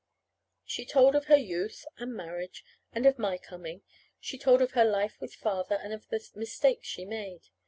She told of her youth and marriage, and of my coming. She told of her life with Father, and of the mistakes she made.